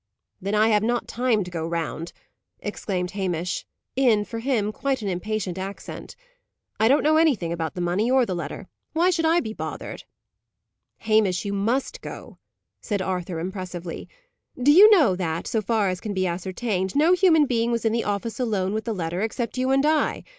"Then I have not time to go round," exclaimed Hamish, in for him quite an impatient accent. "I don't know anything about the money or the letter. Why should I be bothered?" "Hamish, you must go," said Arthur, impressively. "Do you know that so far as can be ascertained no human being was in the office alone with the letter, except you and I.